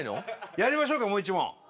やりましょうかもう１問。